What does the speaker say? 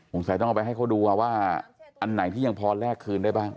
ต้องเอาไปให้เขาดูว่าอันไหนที่ยังพอแลกคืนได้บ้าง